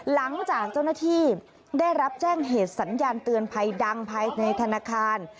หลังจากเจ้าหน้าที่ได้รับแจ้งเหตุสัญญาณเตือนภัยดังภายในธนาคาร